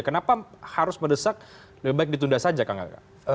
kenapa harus mendesak lebih baik ditunda saja kang aga